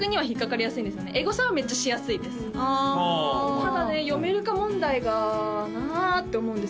ただね読めるか問題がなって思うんですよね